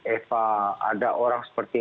epa ada orang seperti